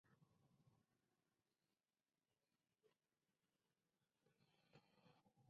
Maitland never married.